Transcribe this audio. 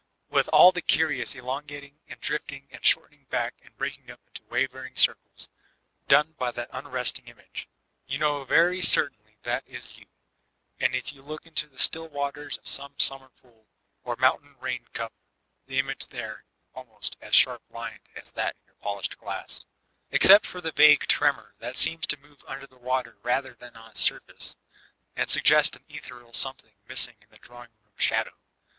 With all the curious elongating and drifting and shortening back and breaking up into waver ing circles, done by that unresting image, you know very certainly that is you ; and if you look into the still waters of some summer pool, or mountain rain cup, the image there is almost as sharp lined as that in your polished glass, except for the vague tremor that seems to move under the water rather than on its surface, and suggest an ethereal something missing in your drawing room shadow.